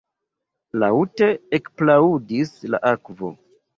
Laŭte ekplaŭdis la akvo.